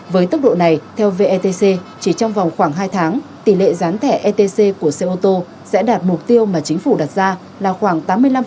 với tốc độ này theo vetc chỉ trong vòng khoảng hai tháng tỷ lệ gián thẻ etc của xe ô tô sẽ đạt mục tiêu mà chính phủ đặt ra là khoảng tám mươi năm